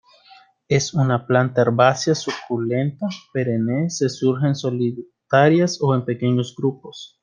Es una planta herbácea suculenta perenne se surgen solitarias o en pequeños grupos.